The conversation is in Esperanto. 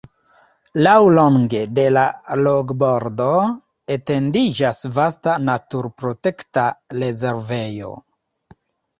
Laŭlonge de la lagobordo etendiĝas vasta naturprotekta rezervejo.